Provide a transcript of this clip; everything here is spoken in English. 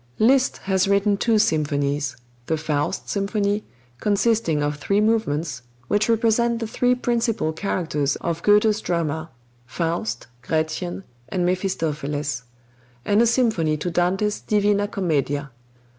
Liszt has written two symphonies: the "Faust Symphony," consisting of three movements, which represent the three principal characters of Goethe's drama, Faust, Gretchen, and Mephistopheles; and a symphony to Dante's "Divina Commedia."